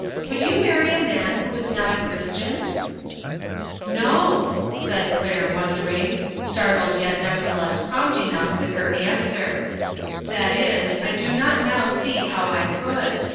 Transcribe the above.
Would you marry a man who was not a Christian ?"" No," said Claire, wondering, startled yet nevertheless prompt enough with her answer; " that is, I do not now see how I could.